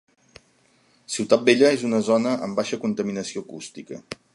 Ciutat Vella és una zona amb baixa contaminació acústica